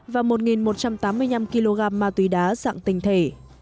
và một một trăm tám mươi năm kg ma túy đá dạng tình thể